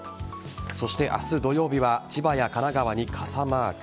そして明日土曜日は千葉や神奈川に傘マーク。